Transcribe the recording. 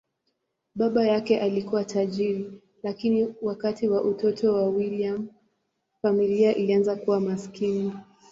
Baba yake alikuwa tajiri, lakini wakati wa utoto wa William, familia ilianza kuwa maskini.